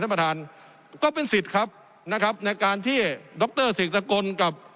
ท่านประธานก็เป็นสิทธิ์ครับนะครับในการที่ดรเสกสกลกับ